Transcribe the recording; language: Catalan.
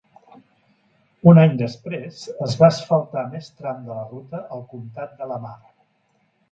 Un any després es va asfaltar més tram de la ruta al comtat de Lamar.